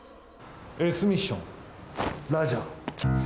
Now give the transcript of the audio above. Ｓミッション、ラジャー。